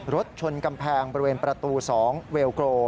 รถชนกำแพงบริเวณประตู๒เวลโกร